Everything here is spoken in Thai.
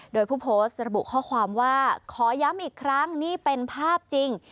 โดยผู้โพสต์ระบุข้อความว่าขอย้ำอีกครั้งนี่เป็นภาพจริง